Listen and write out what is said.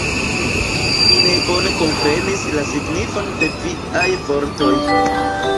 Mi ne bone komprenis la signifon de viaj vortoj.